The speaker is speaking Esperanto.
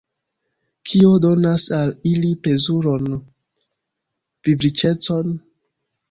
Kio donas al ili plezuron, vivriĉecon?